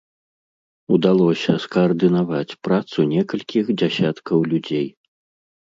Удалося скаардынаваць працу некалькіх дзясяткаў людзей.